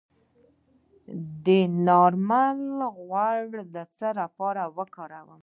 د ناریل غوړي د څه لپاره وکاروم؟